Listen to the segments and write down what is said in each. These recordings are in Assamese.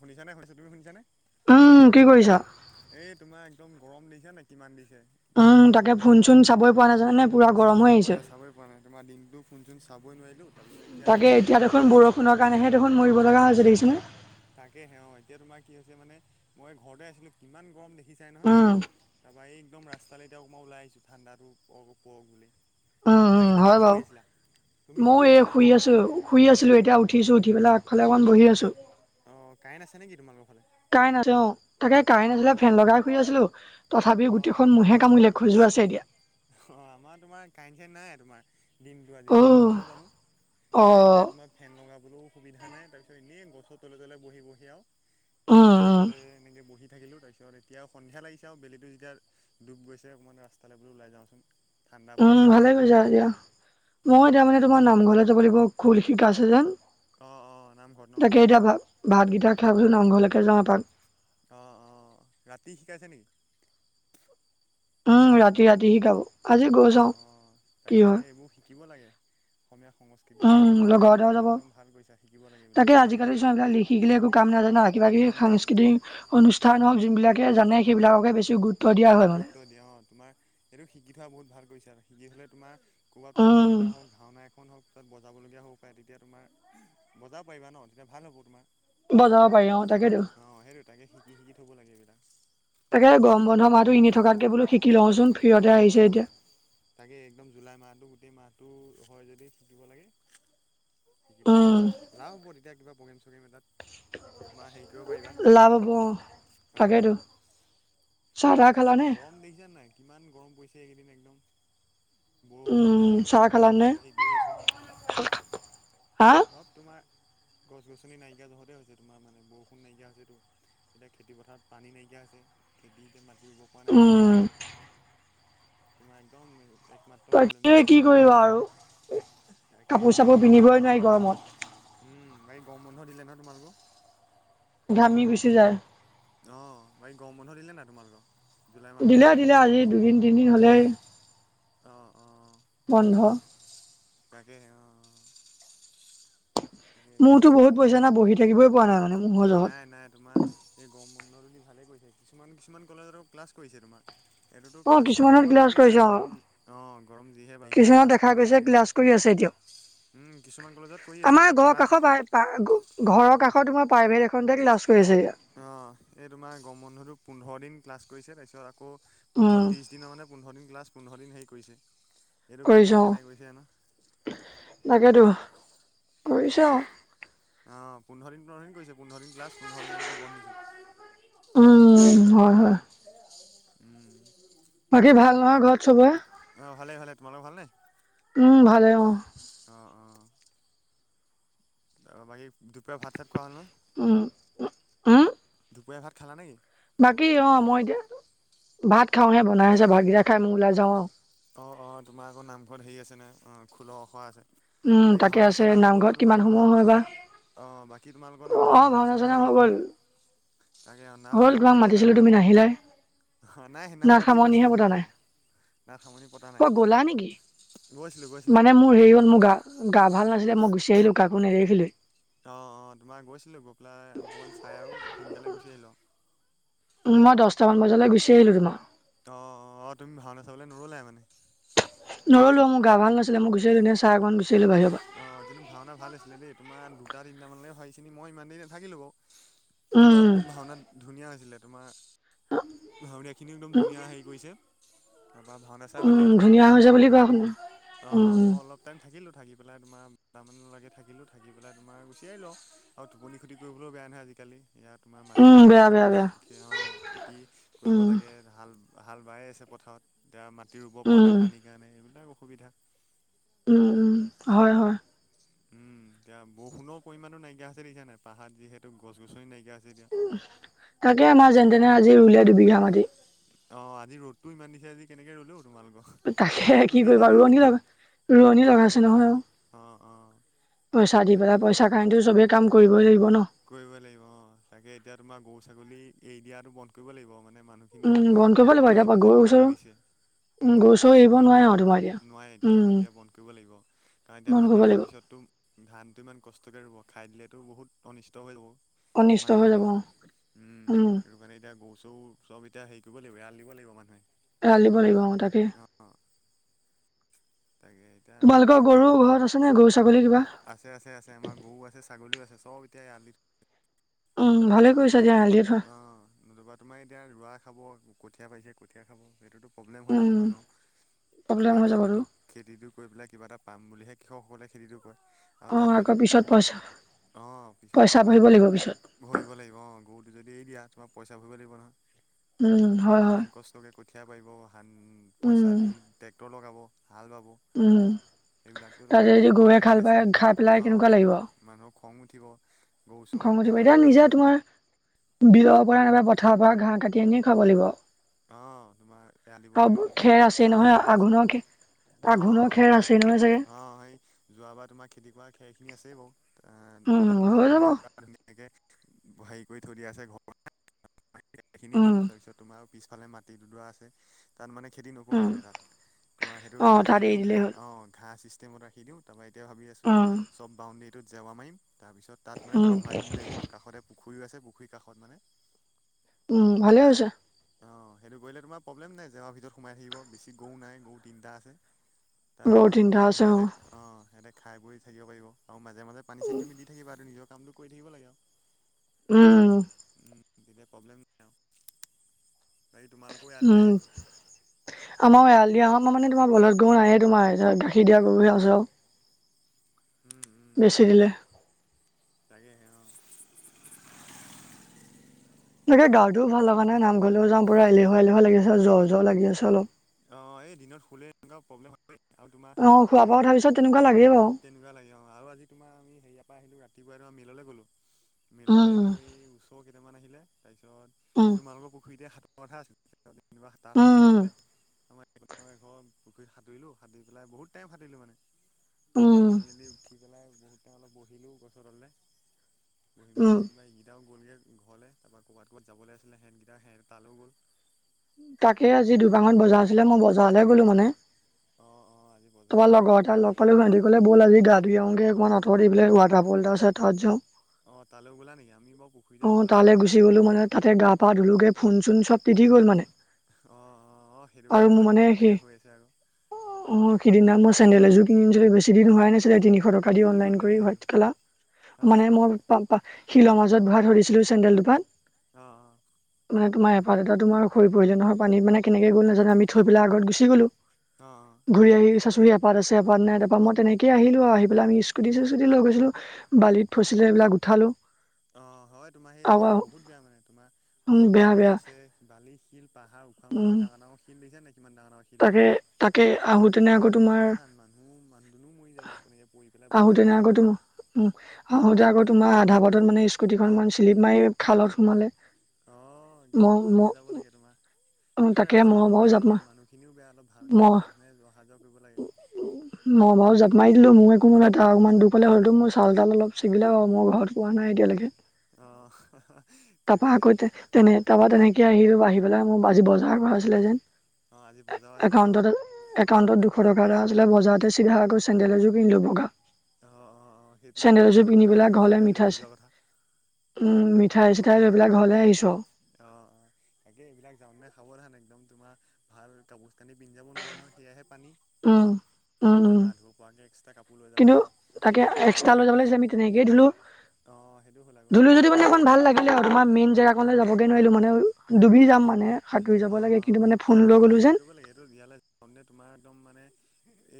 শুনিচানে-শুনিছানে তুমি শুনিছানে উম, কি কৰিছা? এই তোমাৰ একদম গৰম দিখিচানে নে কিমান দিছে। উম, তাকে তাৰপিছত ফোন এই বোলো চোন চাবই প নাজানে নে পুৰা গৰম হৈ চাবই পোৱা আহিছে। নাই চাবই পোৱা নাই তোমাৰ দিনটো ফোনচোন চাবই নোৱাৰিলোঁ। তাৰপিছত এতিয়া তাকে বোলো এতিয়া দেখোন বৰষুণৰ কাৰণেহে দেখোন মৰিব লগা হৈছে দেখিছনে। তাকেহে অ' এতিয়া তোমাৰ কি হৈছে মানে মই ঘৰতে আছিলো কিমান গৰম দেখি দেখি চাই নহয় উম তাৰপৰা এই একদম ৰাস্তালে এতিয়া অকন মই ওলাই আহিছোঁ ঠাণ্ডাটো পৰক বুলি। উম-উম, বাকী তুমি হয় কি কৰি বাৰু আছিলা তুমি কি মইও কৰি এই আছিলা শুই আছো শুই আছো এতিয়া উঠিছো উঠিপেলাই আগফালে অকণ বহি আছো। অ' কাইণ্ট আছে নেকি তোমালোকৰ ফালে? কাৰেণ্ট আছে অ'তাকে কাৰেণ্ট আছিলে অঁ ফেন লগাই শুৰি আছিলো। তথাপি গোটেইখন মহে কামুিলে খোজো আছে এতিয়া। অ' আমাৰ তোমাৰ কাৰেণ্ট-চাৰেণ্ট নাই তোমাৰ। দিনটো আজি কি অহ নহ'ল জানো অ কাৰেণ্ট নাই তোমাৰ ফেন লগাবলৈও সুবিধা নাই। তাৰ পিছত এনেই গছৰ তলে তলে বহি-বহি আৰু তোমাৰ উম গছৰ উম তলে এনেকে বহি থাকিলো তাৰপিছত এতিয়া সন্ধিয়া লাগিছে আৰু বেলিো যেতিয়া ডুব গৈছে অকণমান ৰাস্তালৈ বোলো ওলাই যাওচোন। উম, ভালে কৈছা এতিা মই উম, এতিয়া মানে বাকী খোৱা তোমাৰ নামঘৰলৈ যাব লাগিব খোল শিকা আছে যেন। অঁ অঁ নামঘৰত ন তাকে এতিয়া ভাতকেইটা খাইাবচোন নামঘলৈকে যাওঁ এপাক। অহ-অহ ৰাতি শিকাইছে নেকি? ৰাতি-ৰাতি শিকাব আজি গৈ অঁ চাওঁ অঁ কি তাকে তাকে হয়? এইবোৰ শিকিব লাগে। অসমীয়া সংস্কৃতি উম বস্তু এটা শিকিব লগৰতেও লাগে যাব একদম ভাল কৰিছা, শিকিব লাগে এইবিলাক জানা কিবা-কিবি কাম নাই কাম সাংস্কৃতিক নাই অনুষ্ঠান হওক যোনবিলাকে জানে সেইবিলাককে বেছি গুৰুত্ব দিয়া হয় মানে গুৰুত্ব দিয়া অ' তোমাৰ এইটো শিকি থোৱা বহুত ভাল কৰিছা আৰু শিকি থলে তোমাৰ ক'ৰবাত প্ৰগ্ৰেম উম এটা হওক, ভাওনা এখন হওক, তাৰছত বজাবলগীয়া হ'ব পাৰে তেতিয়া তোমাৰ বজাব পাৰিবা ন তেতিয়া ভাল হ'ব তোমাৰ। বজাব পাৰি অ', তাকেইেতো। অ সেইটো তাকে শিকি শিকি থ'ব লাগে এইবিলাক তাকে গৰম বন্ধ মাহটো এনে থাক অ', অ', এতিয়া তাকে একদম জুলাই মাহতটো গোটেই মাহ হয় যদি শিকিব লাগে, শিকিলে উম তোমাৰ লাভ হ'ব তেতিয়া কিবা প্ৰগ্ৰেম সোগ্ৰেম এটাত বা হেৰি কৰিব পাৰিবা লাভ হব অ', অ তাকেইেতো চ গৰম দেখিছা নাই, কিমান গৰম পৰিছে এইকেইদিন একদম। বৰষুণ উম নাই, চাহ গৰমটো খালানে বাঢ়ি বাঢ়ি গৈ আছে। হা সব তোমাৰ গছ গছনি নাইকিয়া যহতে হৈছে। তোমাৰ মানে বৰষুণ নাইকিয়া হৈছেটো। এতিয়া খেতি পথাৰত পানী নাইকিয়া হৈছে। খেতি এতিয়া মাটি ৰুব পৰা নাই উম মানুহবিলাকে। [inaudible] তোমাৰ একদম একমাত্ৰ তাকে প্ৰব্লেমটো হৈছে কি কৰিবা বৰষুণ নাই আৰু কাপোৰ তাকেহে অ' চাপোৰ পিন্ধিবই নোৱাৰি গৰমত উম, বাকী গৰম বন্ধ দিলে নহয় তোমালোকো ঘামি গুছি যায়। অ' বাকী গৰম বন্ধ দিলে নাই তোমালোকৰ? দিলে, দিলে। আজি দুদিন তিনদিন হ'লেই অ' অ' বন্ধ তাকেহে অ' তাকে একদম মোৰতো এই বহুত গৰম বন্ধ পইচা না বহি থাকিবই পোৱা নাই মানে মোৰ জহত নাই, নাই তোমাৰ এই গৰম বন্ধটো দি ভালে কৰিছে। কিছুমান কিছুমান কলেজৰ ক্লাছ কৰিছে তোমাৰ এনেটো অ ক্লাছটো কিছুমানত কৰিব ক্লাছ নালাগে না কৰিছে অ গৰম অ' গৰম যিহে বাঢ়িছে কিছুমানত ক্লাছ দেখা কৰিব গৈছে নালাগে। ক্লাছ কৰি আছে দিয়ক। উম, কিছুমান কলেজত কৰি আছে আমাৰ মানে ঘৰৰ তোমাৰ কাষৰৰ কা ঘৰৰ কাষৰ তোমাৰ প্ৰাইভেট এখনটে লাষ্ট অ' এই তোমাৰ গৰম বন্ধুতো পোন্ধৰ দিন ক্লাছ কৰিছে। তাৰপিছত আকৌ উম পোন্ধৰ ত্ৰিছ দিনৰ মানে পোন্ধৰ দিন ক্লাছ পোন্ধৰ দিন হেৰি কৰিছে। এইটো গৰমত কৰিছোঁ, কেনে কৰিছে জানো তাকেতো। কৰিছোঁ আহ আহ পোন্ধৰ দিন পোন্ধৰ দিন কৰিছে। পোন্ধৰ দিন ক্লাছ পোন্ধৰ দিন আকৌ বন্ধ দিছে। উম হয় হয় উম। বাকী ভাল নহয় ঘৰত চবৰে। অ ভালে ভালে তোমালোক ভাল নে? উম ভালে অ। অ বাকী দুপৰীয়া ভাত চাট খুৱা হ'ল ন? উ উ দুপৰীয়া ভাত খালা নেকি? বাকী অ মই এতিয়া ভাত খাওঁহে বনাই আছে, ভাতকেইটা খাই মই ওলাই যাওঁ আৰু। অ অ তোমাৰ আকৌ নামঘৰত হেৰি আছেনে অঁ খোলা ওখ আছে। উম বাকী তাকে ভাওনা আছে চাওনা হৈ গ'ল নামঘৰত নহয় কিমান তোমালোকৰ ভাও সময় হয় বা। অ বাকী তোমালোকৰ নামঘ ভাওনা চানা হৈ গ'ল নহয়? তাকে হল তোমাক মাতিছিলো তুমি নাহিলাই। হ নাই সেইদিনাখন ৰাতি গৈছিলো ভাওনা চাব। অই গ'লা নেকি, গৈছিলো গৈছিলো মানে মোৰ হেৰি হ'ল মোৰ গা গা ভাল নাছিলেই গুচি আহিলো কাকো এ নদেখিলোঁৱেই। অ, অ তোমাৰ গৈছিলো গৈ পেলাই অকমান চাই আৰু সোনকালে গুচি আহিলোঁ আৰু। উ মই দশটামান বজালৈ গুচি আহিলো তোমাৰ। অ' অ' তুমি ভাওনা চাবলৈ নগলাই মানে। নগলো মোৰ গা ভাল নাছিলে মই গুচো ধুনীয়া চাহ অকন গু অ কিন্তু ভাওনা ভাল আছিলে দেই তোমাৰ দুটা তিনিটামানলৈকে হয় চিনি মই ইমান দেৰি নাথাকিলো বাৰু। তোমাৰ উম একদম ভাওনাত ধুনীয়া হৈছিলে তোমাৰ ভাওৰীয়াখিনি একদম ধুনীয়া হেৰি কৰিছে। তাৰপৰা ভাওনা চাই ভাল উম লাগিছিলে ধুনীয়া হৈ যে বুলি মই কোৱা শুন অ মই অলপ টাইম থাক থাকিলোঁ থাকি পেলাই তোমাৰ দুটামানলৈকে থাকিলো থাকি পেলাই তোমাৰ গুচি আহিলোঁ আও, আৰু টোপনি খতি কৰিবলৈও বেয়া নহে আজিকালি ইয়াত তোমাৰ মাটি উম বেয়া খেতি বেয়া বেয়া বাতি অঁ খেতি কৰিব উম লাগে হাল হাল বাই আছে পথাৰত এতিয়া মাটি ৰুব পৰা নাই উম পানীৰ কাৰণে, এইবিলাক অসুবিধা। উম উম হয় হয়। উম এতিয়া বৰষুণৰ পৰিমাণো নাইকিয়া হৈছে দেখিছা নাই, পাহাৰত যিহেতু গছ গছনি নাইকিয়া হৈছে এতিয়া উম তাকে গছ আমাৰ গছনি যেন তেনে আজি ৰুলে দুবিঘা মাটি। অ আজি ৰ'দটো ইমান দিছে আজি কেনেকে ৰুলে ঔ? তোমালোক তাকে ৰ'দতো কি দেখিছা কৰিবা নাই আজি ৰোৱনী কিমান, লগা ৰোৱনী অঁ লগাইছে ৰোৱনী ল নহয় অ অঁ। পইচা দি পেলাই, পইচা কাৰনেটো চবে কাম কৰিবই লাগিব ন। কৰিব লাগিব অঁ, তাকে এতিয়া তোমাৰ গৰু ছাগলী এৰি দিয়াটো বন্ধ কৰিব লাগিব মানে মানুহখিনিয়ে উম বন্ধ কৰিব গম পাব লাগিব এতিয়া যে গৰু মাটি চৰু ৰুইছে। উম গৰু চৰু এৰিব এৰি নোৱাৰে দিয়া আৰু তোমাৰ এতিয়া নোৱাই এতিয়া উম এতিয়া বন্ধ কৰিব লাগিব, কাৰণ এতিয়া বন্ধ কৰিব মাটি লাগিব ৰোৱাৰ পিছততো ধানটো ইমান কষ্টকে ৰুব খায় দিলেতো বহুত অনিষ্ট হৈ যাব। অনিষ্ট হৈ মানুহখিনি যাব উম উম সেইটো কাৰণে এতিয়া গৰু চৰু চব এতিয়া হেৰি কৰিব লাগিব এৰাল দিব লাগিব মানুহে। এৰাল দিব লাগিব অ তাকে অ তাকে এতিয়া তোমালোকৰ এই, গৰু ঘৰত আছে নে গৰু ছাগলী কিবা আছে আছে আছে আমাৰ গৰু আছে ছাগলীও আছে। চব এতিয়া এৰালি সৰু উম গৰু ভালে তোমাৰ, কৰিছা দিয়া এৰাল দি থোৱা অহ নোযোৱা তোমাৰ এই এতিয়া ৰোৱা খাব, কঠীয়া পাইছে কঠীয়া খাব সেইটোতো প্ৰব্লেম হৈ যাব উম মানুহ প্ৰব্লেম কিবা হৈ যাবতো খেতিটো খেতিটো কৰি পেলাই কিবা এটা পাম বুলিহে কৃষকসকলে খেতিটো কৰে। আৰু অ তাত আকৌ যদি পিছত পইচা পইচা ভৰিবব লাগিব পিছত। ভৰি লাগিব অ গৰুটো যদি এৰি দিয়া তোমাৰ পইচা ভৰিব লাগিব নহয়। উম, হয় হয়। ইমান কষ্টকে কঠীয়া পাৰিব ধান পইচা উম দি ট্ৰেক্টৰ লগাব। হাল বাব উম, সেইবিলাকতো তাৰপিছত তোমাৰ যদি গৰুৱে হেৰি খাল আছে পাই খাই পেলাই অ কেনেকুৱা লাগিব? মানুহৰ খং উঠিব, গৰু চৰু খং উঠিব তোমাৰ এতিয়া হেৰি নিজে কৰিব তোমাৰ বিলৰ পৰা নাইবা পথাৰৰ পৰা ঘাঁহ কাটি আনিয়ে খোৱাব লাগিব। অ তোমাৰ এয়া দিব আৰু লাগিব, খেৰ য'ত আছেই খালী নহয় জেগা আছে। আঘোণৰ খে অ আঘোণৰ অ খেৰ তোমাৰ আছেই নহয় চাগে অ সেই যোৱাবাৰ তোমাৰ খেতি কৰা খে খিনি আছেই বাও আ উম মণা হৈ যাব মাৰি থোৱা ধুনীয়াকে হেৰি কৰি থৈ দিয়া আছে [unintelligible] খিনি উম দিম তা পিছত তোমাৰ পিছ ইফালে মাটি দুডৰা আছে তাত মানে খেতি নকৰোঁ উম মানে তাত তোমাৰ সেইটো অ তাত ৰাখি এৰি দিওঁ দিলেই হ'ল ঘাঁহ অ ঘাঁহ চিষ্টেমত ৰাখি দিওঁ তা পা তেতিয়া ভাবি আছো উম চব বাউণ্ডেৰীটোত জাবাৰম তাৰপিছত তাত মান উম তোমাৰ ভৰাই দিম বুলি ভাবিছিলো কাষতে পুখুৰীও আছে পুখুৰীৰ কাষত মানে উম, ভালে হৈছে। অ সেইটো কৰিলে তোমাৰ প্ৰব্লেম নাই জেৱাৰ ভিতৰত সোমাই থাকিব বেছি গৰু নাই গৰু তিনিটা আছে। তাত গৰু তোমাৰ তিনিটা ধুনীয়াকে আছে সিহঁতে অ সিহঁতে খাই বৈ থাকিব পাৰিব। আৰু মাজে মাজে পানী চানী তুমি দি থাকিবা আৰু নিজৰ কামটো কৰি থাকিব লাগে আও। উম। দিলে প্ৰব্লেম নাই আও। উম, আমাৰ এয়াল দিয়াৰ হত মানে তোমাৰ বলধ গৰু নায়ে তোমাৰ এজ গাখ সেই দিয়া গৰু হে আছে আও। অ' উম। বেচি দিলে। তাকে আহে অ তেনেকে গাৱটোও ভাল হয় নামৰও য পু এলেহা এলেহুৱা লাগিছে জ্ব জ্বৰ লাগিছেলপ অ, এই দিনত খুলে এনেকুৱা প্ৰব্লেম হয় আৰু তোমাৰ অ, খোৱা বোৱা এইয়া উঠাৰ পিছত তেনেকুৱা লাগেই বাৰু তেনেকুৱা লাগে অ' আৰু আজি তোমাৰ আমি হেয়াৰ পৰা আহিলো ৰাতিপুৱাই তম মিললে গ'লো মিললৈ উম গৈ ওচৰ কেইটামান আহিলে উম তাৰিছত তোমালোকৰ পুখুৰীতে কথা আছিলে যোাত হাতা উম নহলে আমাৰ ঘৰৰ [inaudible] পুখুৰীত সাঁতুৰিলো সাঁতুৰি পেলাই বহুত টাইম সাটতিলো মানে উম সাঁতুৰি মেলি উঠি পেলাই বহুতে অলপ বহিলোঁ গছৰ তাললে বহি উম মেলি যেনিবা এইকেইটাও গ'লগৈ। ঘৰলে তাৰপা ক'ৰবাত ক'ৰবাত যাবলৈ আছিলে সেহতকেইটটা সহ তালো গ'ল তাকে আজি দোকানত তাৰপিছত বজাৰ আছিলে মই বজাৰলে গ'লো মানে অঁ অঁ আজি বজাৰ তোমাৰ আছিলে লগৰ আজি এটা লগ পালে বৃহস্পতিবাৰ ভি বজাৰ কলে ব'ল আজি গা ধু আহোগে অমাৰ আঁতৰি পেলাই ৱাটাৰলটা আছে তাত যাওঁ অ, তালৈ ওলা নেকি আমি বৰ পুখুৰীতে থলো আজি প ধোলকে ফোন চোন চব তিঠি গ'ল মানে অঁ অঁ অঁ সেইটো আৰু কাৰণে মোৰ পানী মানে লগা স লগা হৈ আছে আকৌ অ সদিনা মই চান জুখিনি বেছ দিন হোৱা উটি গ'ল নেকি সেইযোৰ নাছিলে। অঁ [inaudible] শিল মাজত বাত ধৰিছিলো চেণ্ডেল দুপাত অ-অ মানেমাৰ এপ এটা তোমাৰ হৈ পৰিলে নহয়ান মানে কেনেকে গ' নাজান আমি পেলাইগত গুচি গ'লো অঁ অঁ অঁ ঘূৰি আহি [unintelligible] এপাত আছে, এপাত নাই, তাপা মই তেনেকে আহিলো আৰু, আহি পেলাই আমি স্কুটি-চিস্কুটি লৈ গৈছিলো, বালিত ফছিলে। এইবিলাক উঠালো। অ, হয়, তোমাৰ সেই জেগাতটো বহুত বেয়া মানে, তোমাৰ উম অকল বেয়া বালি বেয়া আছে, বালি, শিল পাহাৰ উখা-মুখা উম ডাঙৰ -ডাঙৰ শিল দেখিছা নে নাই কিমান ডাঙৰ-ডাঙৰ শিল আছে। তাকে তাকে তাত আহোতেনে তোমাৰ আকৌ একদম সাৱধান, মানুহ, মানুহ দুনুহও মৰি যাব তেনেকে পৰি। পেলাই ভৰি হাত আহোতেনে ভাঙিব আকৌ অ' তোম, উম, আহোতে আকৌ তোমাৰ, আধা বাটত মানে স্কুটিখনন [unintelligible] চিল্প মাৰি খালত সোমালে। অ, একদম মই ম ভালকে যাব লাগে তোমাৰ, এইফালে তাকে মহ ৰাস্তাটোও বাৰু বেয়া জাপ মাৰ মানে, মানুহখিনিও বেয়া, অলপ ভালকে মহ সাৱধানে অহা-যোৱা কৰিব লাগে। মহ বাৰু জাপ মাৰি দিলো, মোৰ একো [unintelligible] এটা অকণমান দুখ পালে হৈটো মোৰ ছাল- তাল অলপ ছিগিলে বাৰু, মই ঘৰত কোৱা নাই এতিয়ালৈকে। অ। তাৰপৰা তাকেহে আকৌ তেনে তাৰপা তেনেকে আহিলো, আহি পেলাই মোৰ আজি বজাৰ বাৰ আছিলে যেন। অ' আজি বজাৰো আছিলে অ' একাউণ্টত, একাউন্টত দুশ টকা এটা আছিলে, বজাৰতে চিধা আকৌ চেণ্ডেল এযোৰ কিনিলো বগা। অ' অ' অ' সেইটোতো চেণ্ডেল ঘৰত এযোৰ গম পিন্ধি নাপাই পেলাই চাগে ঘৰলে চেন্দেল মিঠা- চিঠাই, উম, মি ঘৰ [unintelligible] অ, অ, তাকে, এইবিলাক যাওঁতে সাৱ সাৱধান একদম, তোমাৰ ভাল কাপোৰ- কানি পিন্ধি যাব নোৱাৰা নহয়, সেয়াহে পানী। উম, উম, তোমাৰ উম, গা ধুব পৰাকৈ এক্সট্ৰা কাপোৰ লৈ যাব কিন্তু লাগে, তাকে তাৰপিছত তোমাৰ অ সেইটো হ'ল আকৌ ধূলো যদি মানে অকমান ভাল লাগিলে আৰু। তোমাৰ মেইন জেগা কনলৈ যাবগে নোৱাৰিলো, মানে ডুবি যাম মানে। সাঁতুৰি যাব অ, অ, লাগে কিন্তু মানে ফোন আৰু লৈ তোমাৰ গ'লো হেৰি যেন কৰিব লাগে, এইটো ইয়ালৈ [unintelligible] তোমাৰ একদম মানে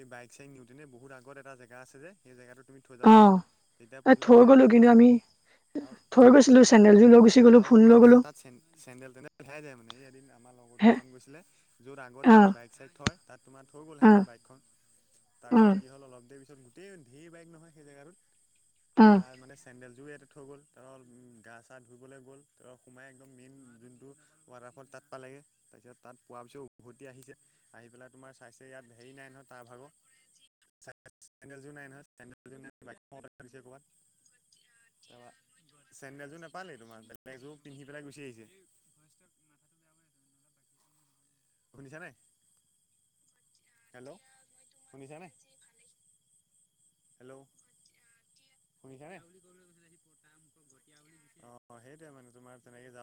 এই বাইক- চাইক [unintelligible] বহুত আগত এটা জেগা আছে যে, সেই জেগাটোত তুমি থৈ যাব লাগে, অ', তেতিয়া এই প্ৰব্লেম থৈ নাই, গ'লো কিন্তু আৰু আমি আৰু থৈ অ' আৰু গৈছিলো তোমাৰ চেন্দেলযোৰ লৈ গুচি গ'লো আৰু ফোন তোমাৰ লৈ এনেকে গ'লো তাত চে-চেন্দেল তেন্দেল [unintelligible] যায় মানে। এই এদিন আমাৰ লগৰ হে দুটামান গৈছিলে য'ত আগত অ', বাইক চাইক থয় তাত তোমাৰ থৈ গ'ল সিহঁতে অ', বাইকখন। তাৰপিছত কি অ', হ'ল অলপ দেৰি পিছত গোটেই ধে বাইক নহয় সেই জেগাটোত। অ'। তাৰ মানে চেণ্ডেল যোৰ এয়াতে থৈ গ'ল তাৰপা গা চা ধুইবলৈ গ'ল তাৰপা সোমাই একদম মেইন যোনটো ৱাটাৰফল তাত পালেগে, তাৰপিছত তাত পোৱা পিছত উভতি আহিছে আহি পেলাই তোমাৰ চাইছে ইয়াত হেৰি নাই নহয় তাৰ ভাগৰ। [inaudible] [unintelligible] চেণ্ডেলযোৰ নাই নহয় চেণ্ডেলযোৰ নাই [unintelligible] তাৰপা চেন্দেলযোৰ নাপালেই তোমাৰ বেলেগ এযোৰ পিন্ধি পেলাই গুচি আহিছে। [inaudible] শুনিছানে? হেল্ল' শুনিছানে? হেল্ল'। শুনিছানে? অ' সেইটোয়ে মানে তোমাৰ তেনেকে যাওঁ